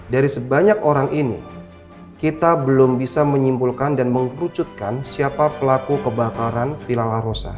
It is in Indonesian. dari sebanyak orang ini kita belum bisa menyimpulkan dan mengerucutkan siapa pelaku kebakaran villa arosa